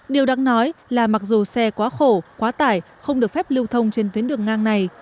điều đáng nói là mặc dù xe quá khổ quá tải không được phép lưu thông trên tuyến đường ngang này